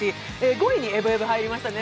５位に「エブエブ」入りましたね。